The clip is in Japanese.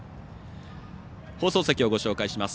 放送席をご紹介します。